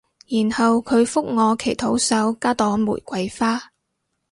然後佢覆我祈禱手加朵玫瑰花